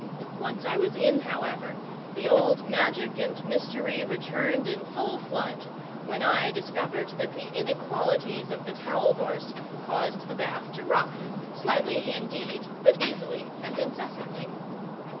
Once I was in, however, the old magic and mystery returned in full flood, when I discovered that the inequalities of the towel horse caused the bath to rock, slightly, indeed, but easily and incessantly.